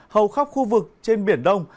hầu khắp khu vực trên biển đông